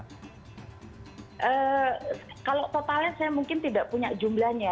kalau totalnya saya mungkin tidak punya jumlahnya